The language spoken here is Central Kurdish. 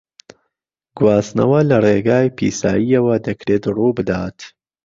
گواستنەوە لە ڕێگای پیساییەوە دەکرێت ڕووبدات.